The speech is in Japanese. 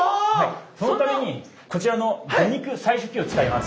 そのためにこちらの魚肉採取機を使います。